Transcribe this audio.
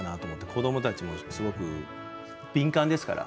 子どもたちもすごく敏感ですから。